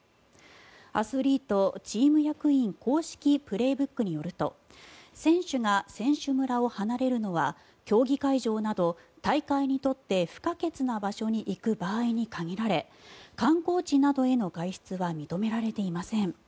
「アスリート・チーム役員公式プレーブック」によると選手が選手村を離れるのは競技会場など大会にとって不可欠な場所に行く場合に限られ観光地などへの外出は認められていません。